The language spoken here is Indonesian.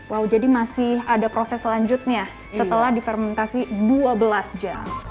wow jadi masih ada proses selanjutnya setelah difermentasi dua belas jam